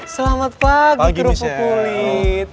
selamat pagi kerupuk kulit